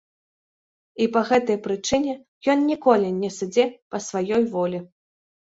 І па гэтай прычыне ён ніколі не сыдзе па сваёй волі.